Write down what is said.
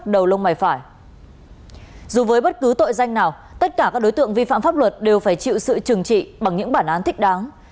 dù với bất cứ tội danh nào tất cả các đối tượng vi phạm pháp luật đều phải chịu sự trừng trị bằng những bản án thích đáng